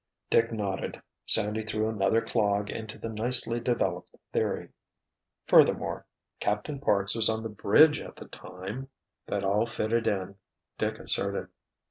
Dick nodded. Sandy threw another clog into the nicely developed theory. "Furthermore, Captain Parks was on the bridge at the time——" That all fitted in, Dick asserted.